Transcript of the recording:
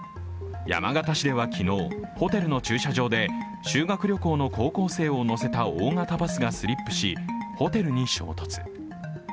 山形市では昨日、ホテルの駐車場で修学旅行の高校生を乗せた大型バスがスリップしホテルに衝突。